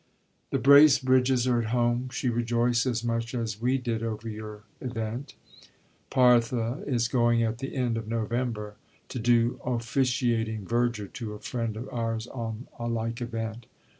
The Bracebridges are at home she rejoiced as much as we did over your event Parthe is going at the end of November to do Officiating Verger to a friend of ours on a like event.